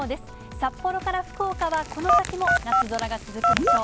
札幌から福岡は、この先も夏空が続くでしょう。